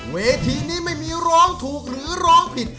เวทีนี้ไม่มีร้องถูกหรือร้องผิด